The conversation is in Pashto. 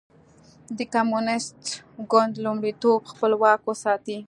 د کمونېست ګوند لومړیتوب خپل واک وساتي.